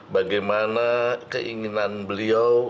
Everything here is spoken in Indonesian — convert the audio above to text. bagaimana keinginan beliau